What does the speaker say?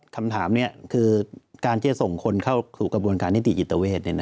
การที่จะส่งคนเข้าสู่กระบวนการที่ดิจิตเวท